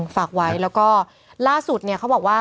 ฝากไว้แล้วก็ล่าสุดเนี่ยเขาบอกว่า